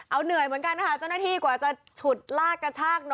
เอาเหนื่อยเหมือนกันนะคะเจ้าหน้าที่กว่าจะ